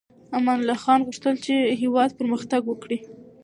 امان الله خان غوښتل چې هېواد پرمختګ وکړي.